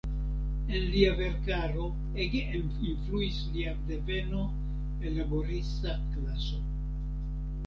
En lia verkaro ege influis lia deveno el laborista klaso.